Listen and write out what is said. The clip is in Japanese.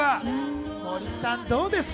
森さん、どうです？